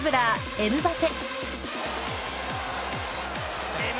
エムバペ。